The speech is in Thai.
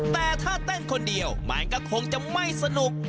แต่ถ้าเต้นคนเดียวมันก็คงจะไม่สนุก